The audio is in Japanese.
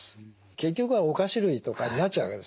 結局はお菓子類とかになっちゃうわけですよね。